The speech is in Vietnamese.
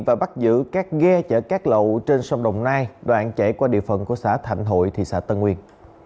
và bắt giữ các ghe chở cát lậu trên sông đồng nai đoạn chạy qua địa phận của xã thạnh hội thị xã tân nguyên